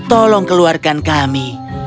tolong keluarkan kami